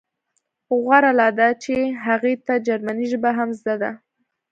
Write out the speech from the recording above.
غوره لا دا چې هغې ته جرمني ژبه هم زده ده